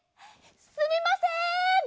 すみません！